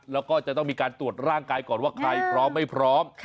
แล้วก็จะต้องมีการตรวจร่างกายก่อนว่าใครพร้อมไม่พร้อม